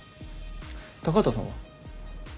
高畑さんは？